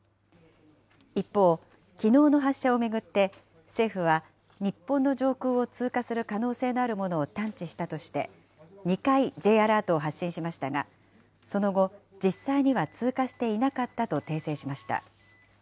一方、きのうの発射を巡って、政府は日本の上空を通過する可能性のあるものを探知したとして、２回、Ｊアラートを発信しましたが、その後、実際には通過していなかったと訂正しました。